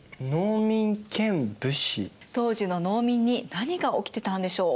当時の農民に何が起きてたんでしょう？